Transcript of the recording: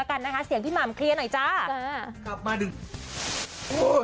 ยังมีพวกรักแม่ค่ะ